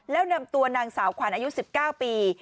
แล้วนำตัวนางสาวขวัญอายุ๑๙ปี